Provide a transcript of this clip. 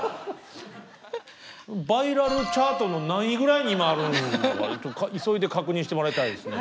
バイラルチャートの何位ぐらいに今あるのか急いで確認してもらいたいですね。